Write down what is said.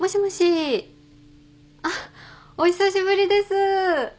あっお久しぶりです。